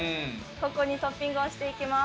ここにトッピングをしていきます。